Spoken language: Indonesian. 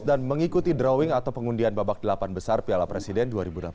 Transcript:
dan mengikuti drawing atau pengundian babak delapan besar piala presiden dua ribu delapan belas